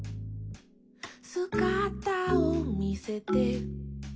「すがたをみせて」